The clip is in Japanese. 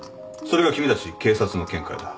それが君たち警察の見解だ。